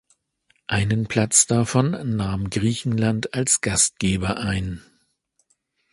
Einen Platz davon nahm Griechenland als Gastgeber ein.